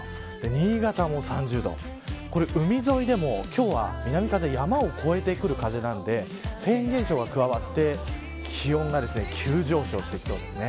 新潟も３０度海沿いでも今日は南風山を越えてくる風なのでフェーン現象が加わって気温が急上昇してきそうです。